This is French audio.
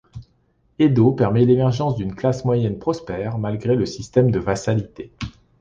Edo permet l’émergence d'une classe moyenne prospère, malgré le système de vassalité.